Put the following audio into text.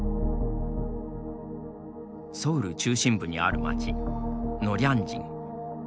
ソウル中心部にある街ノリャンジン。